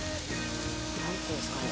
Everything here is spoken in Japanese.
なんていうんですかね。